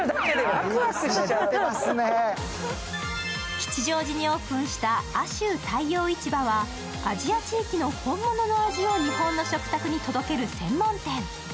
吉祥寺にオープンした亜洲太陽市場は、アジア地域の本物の味を日本の食卓に届ける専門店。